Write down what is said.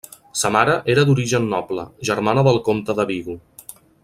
Sa mare era d'origen noble, germana del comte de Vigo.